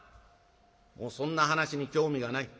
もうそんな話に興味がない。